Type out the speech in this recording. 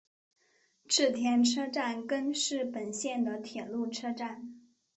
池田车站根室本线的铁路车站。